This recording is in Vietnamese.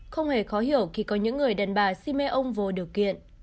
không hề khó hiểu khi có những người đàn bà xin mê ông vô điều kiện